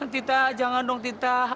tita jangan dong tita